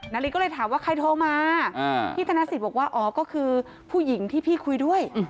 นาริสก็เลยถามว่าใครโทรมาพี่ธนสิทธิ์บอกว่าอ๋อก็คือผู้หญิงที่พี่คุยด้วย